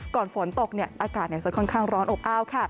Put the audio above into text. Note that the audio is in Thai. ก่อนฝนตกอากาศจะค่อนข้างร้อนอบอ้าว